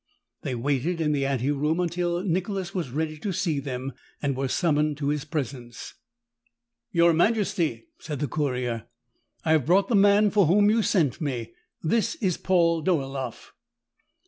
They waited in the ante room until Nicholas was ready to see them and were summoned to his presence. "Your majesty," said the courier, "I have brought the man for whom you sent me. This is Paul Dolaeff."